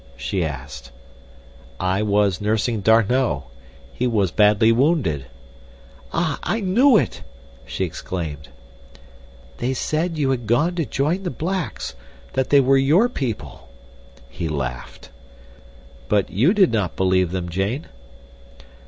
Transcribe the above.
she asked. "I was nursing D'Arnot. He was badly wounded." "Ah, I knew it!" she exclaimed. "They said you had gone to join the blacks—that they were your people." He laughed. "But you did not believe them, Jane?"